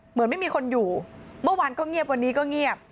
เหมือนไม่มีคนอยู่เมื่อวานก็เงียบวันนี้ก็เงียบ